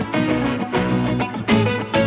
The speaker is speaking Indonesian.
tuh kan inget ya